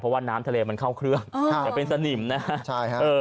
เพราะว่าน้ำทะเลมันเข้าเครื่องอ่าเป็นสนิมนะฮะใช่ฮะเออ